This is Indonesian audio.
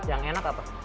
yang enak apa